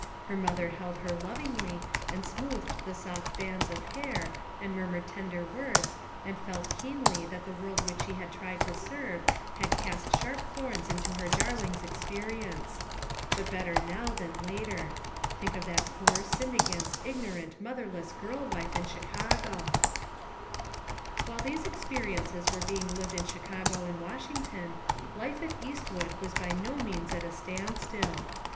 Her mother held her lovingly, and smoothed the soft bands of hair, and murmured tender words, and felt keenly that the world which she had tried to serve, had cast sharp thorns into her darling's experience. But better now than later. Think of that poor, sinned against, ignorant, motherless girl wife in Chicago I 4IO ONE COMMONPLACE DAY. While these experiences were being lived in Chicago and Washington, life at East wood was by no means at a stand still.